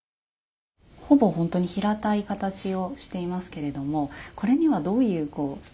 ほぼ平たい形をしていますけれどもこれにはどういう？